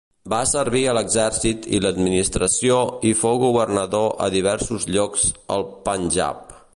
Va servir a l'exèrcit i l'administració i fou governador a diversos llocs al Panjab.